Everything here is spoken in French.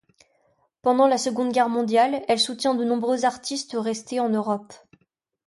Pendant la Seconde Guerre mondiale, elle soutient de nombreux artistes restés en Europe.